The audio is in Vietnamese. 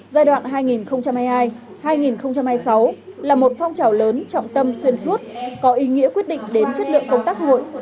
giai đoạn hai nghìn hai mươi hai hai nghìn hai mươi sáu là một phong trào lớn trọng tâm xuyên suốt có ý nghĩa quyết định đến chất lượng công tác hội